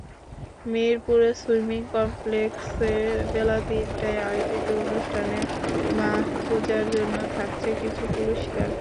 মিরপুরে সুইমিং কমপ্লেক্সে বেলা তিনটায় আয়োজিত অনুষ্ঠানে মাহফুজার জন্য থাকছে কিছু পুরস্কার।